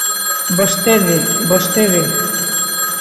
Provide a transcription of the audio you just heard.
Vostede, vostede.